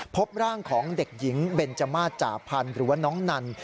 พบร่างของเด็กหญิงเบนจมาสจ่าพันธ์หรือว่าน้องนัน